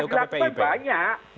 yang salah dilakukan banyak